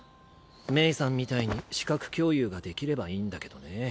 冥さんみたいに視覚共有ができればいいんだけどね。